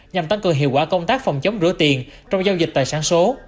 nhằm tăng cơ hiệu quả công tác phòng chống rửa tiền trong giao dịch tài sản số